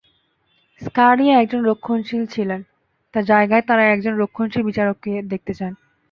Scalia একজন রক্ষণশীল ছিলেন, তাঁর জায়গায় তাঁরা একজন রক্ষণশীল বিচারককে দেখতে চান।